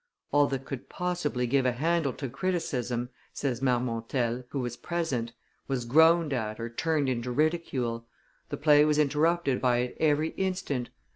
"All that could possibly give a handle to criticism," says Marmontel, who was present, "was groaned at or turned into ridicule. The play was interrupted by it every instant.